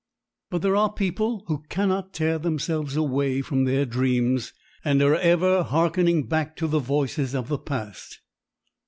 But there are people who cannot tear themselves away from their dreams and are ever harkening back to the voices of the past.